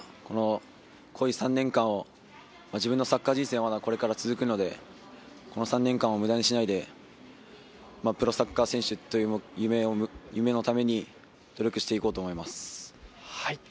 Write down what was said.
濃い３年間を自分のサッカー人生はこれから続くので、この３年間を無駄にしないで、プロサッカー選手という夢のために努力していこうと思います。